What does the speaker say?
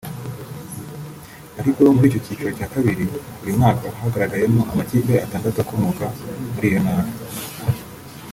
ariko mu cyiciro cya kabiri uyu mwaka hagaragayemo amakipe atandatu akomoka muri iyo ntara